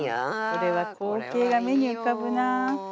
これは光景が目に浮かぶなあ。